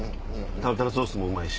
タルタルソースもうまいし。